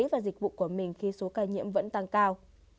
và dịch vụ của mình khi số ca nhiễm vẫn tăng cao